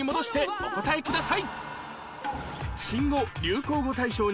お答えください